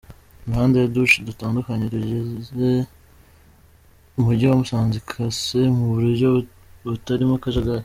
Imihanda yo duce dutandukanye tugize Umujyi wa Musanze ikase mu buryo butarimo akajagari.